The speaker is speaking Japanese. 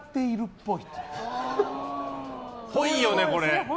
ぽいよね、これ！